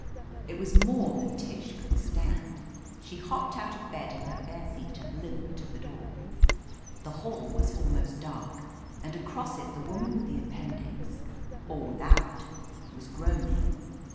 It was more than Tish could stand. She hopped out of bed in her bare feet and limped to the door. The hall was almost dark and across it the woman with the appendix — or without — ^was groaning.